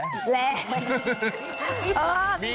แหละ